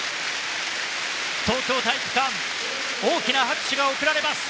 東京体育館に大きな拍手が送られます。